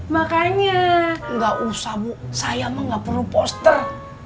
makanya enggak usah bu saya enggak perlu poster